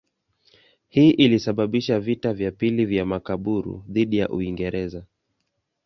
Hii ilisababisha vita vya pili vya Makaburu dhidi ya Uingereza.